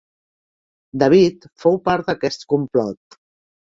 David fou part d'aquest complot.